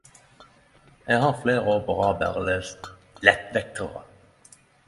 Eg har fleire år på rad berre lest lettvekterar.